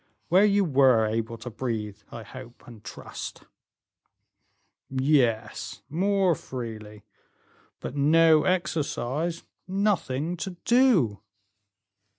"Where you were able to breathe, I hope and trust?" "Yes, more freely; but no exercise nothing to do.